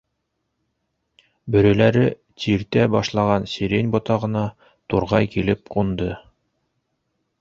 Бөрөләре тиртә башлаған сирень ботағына турғай килеп ҡунды.